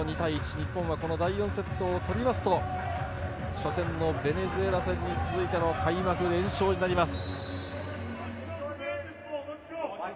日本はこの第４セットを取りますと初戦のベネズエラ戦に続いての開幕連勝になります。